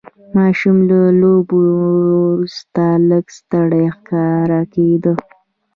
ماشوم له لوبو وروسته لږ ستړی ښکاره کېده.